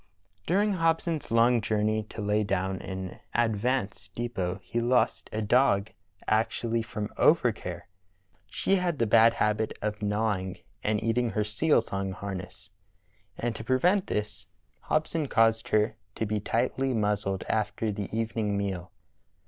During Hobson's long journey to lay down an ad vance depot he lost a dog actually from overcare. She had the bad habit of gnawing and eating her seal thong harness, and to prevent this Hobson caused her to be tightly muzzled after the evening meal.